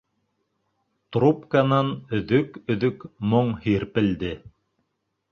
Трубканан өҙөк-өҙөк моң һирпелде.